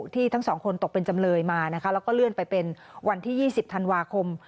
ทั้งสองคนตกเป็นจำเลยมานะคะแล้วก็เลื่อนไปเป็นวันที่๒๐ธันวาคม